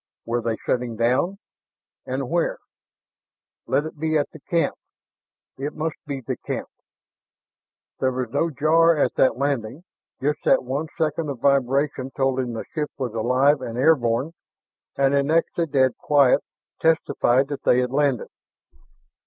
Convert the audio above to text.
Were they setting down? And where? Let it be at the camp! It must be the camp! There was no jar at that landing, just that one second the vibration told him the ship was alive and air borne, and the next a dead quiet testified that they had landed.